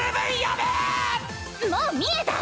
もう見えた！